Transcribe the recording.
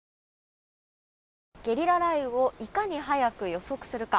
ゲリラ雷雨をいかに早く予測するか。